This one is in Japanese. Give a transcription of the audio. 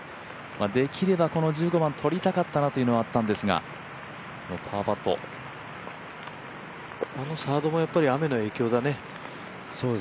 できればこの１５番とりたかったなというのもあったんですがサードも雨の影響だね。